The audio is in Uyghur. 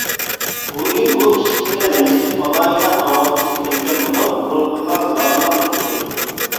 بۇ يىل بۇ كىچىككىنە مەسچىت ئالاھىدە ئاۋاتلىشىپ كەتكەن بولۇپ بۇرۇنقىغا زادىلا ئوخشىمايتتى.